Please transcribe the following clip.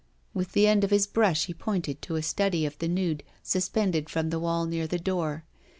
With the end of his brush he pointed to a study of the nude, suspended from the wall near the door.